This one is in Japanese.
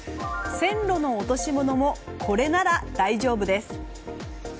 線路の落とし物もこれなら大丈夫です。